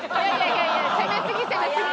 いやいや攻めすぎ攻めすぎ！